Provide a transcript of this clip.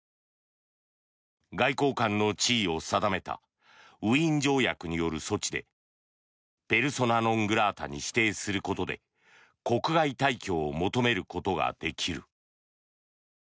外交官の地位を定めたウィーン条約による措置でペルソナ・ノン・グラータに指定することで国外退去を求めることができる。